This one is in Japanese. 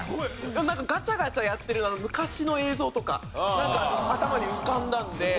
なんかガチャガチャやってる昔の映像とか頭に浮かんだんで。